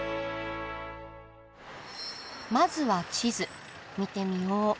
まずは地図見てみよう。